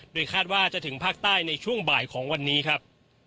โดยคาดว่าจะถึงภาคใต้ในช่วงบ่ายของวันนี้ครับ